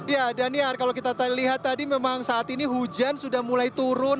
ya daniar kalau kita lihat tadi memang saat ini hujan sudah mulai turun